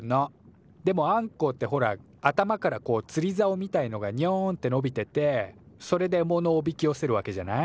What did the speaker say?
でもアンコウってほら頭からこうつりざおみたいのがニョンってのびててそれでえものをおびきよせるわけじゃない？